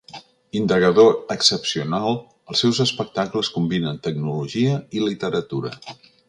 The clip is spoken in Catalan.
Indagador excepcional, els seus espectacles combinen tecnologia i literatura.